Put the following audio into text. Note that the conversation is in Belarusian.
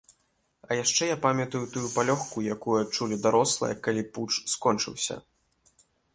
А яшчэ я памятаю тую палёгку, якую адчулі дарослыя, калі путч скончыўся.